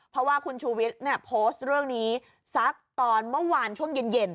เพราะว่าคุณชูวิทย์เนี่ยโพสต์เรื่องนี้สักตอนเมื่อวานช่วงเย็น